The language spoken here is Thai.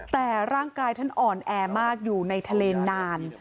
แต่ร่างกายท่านอ่อนแอมากอยู่ในทะเลนาน